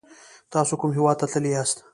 تاسو کوم هیواد ته تللی یاست؟